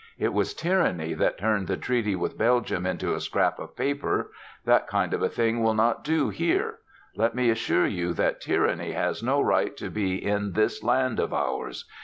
It was Tyranny that turned the treaty with Belgium into a scrap of paper. That kind of a thing will not do here. Let me assure you that Tyranny has no right to be in this land of ours.